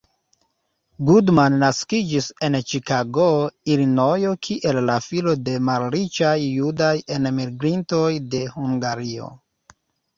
Goodman naskiĝis en Ĉikago, Ilinojo kiel la filo de malriĉaj judaj enmigrintoj de Hungario.